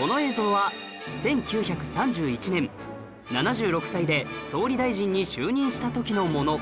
この映像は１９３１年７６歳で総理大臣に就任した時のもの